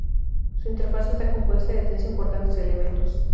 Su interfaz está compuesta de tres importantes elementos.